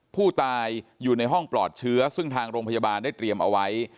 ผู้ตายอยู่ในห้องปลอดเชื้อซึ่งทางโรงพยาบาลได้เตรียมเอาไว้